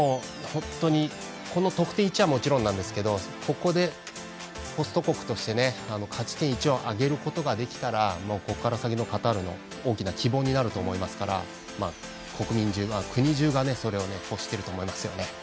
この得点１はもちろんなんですけどここでホスト国として勝ち点１を挙げることができたらここから先のカタールの大きな希望になると思いますから国じゅうがそれを欲してると思いますよね。